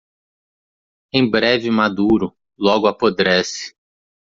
Em breve maduro? logo apodrece